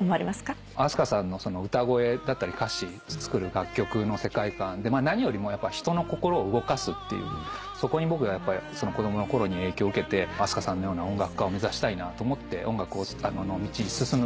ＡＳＫＡさんの歌声だったり歌詞作る楽曲の世界観で何よりも人の心を動かすっていうそこに僕子供のころに影響を受けてＡＳＫＡさんのような音楽家を目指したいなと思って音楽の道に進むきっかけになったので。